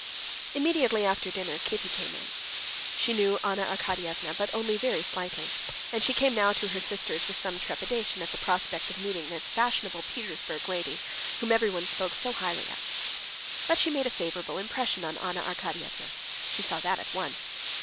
Immediately after dinner Kitty came in. She knew Anna Arkadyevna, but only very slightly, and she came now to her sister's with some trepidation, at the prospect of meeting this fashionable Petersburg lady, whom everyone spoke so highly of. But she made a favorable impression on Anna Arkadyevna—she saw that at once.